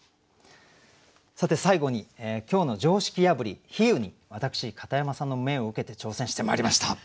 さて最後に今日の常識破り比喩に私片山さんの命を受けて挑戦してまいりました。